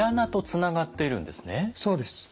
そうです。